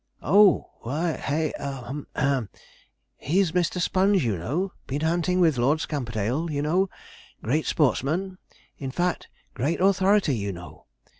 'Oh why hay hum haw he's Mr. Sponge, you know been hunting with Lord Scamperdale, you know great sportsman, in fact great authority, you know.'